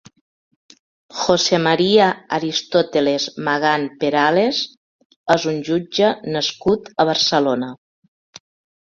José María Aristóteles Magán Perales és un jutge nascut a Barcelona.